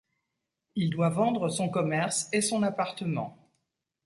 Il doit vendre son commerce et son appartement.